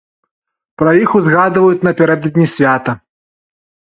Пра іх узгадваюць напярэдадні свята.